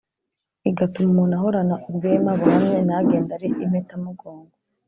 igatuma umuntu ahorana ubwema buhamye, ntagende ari impetamugongo.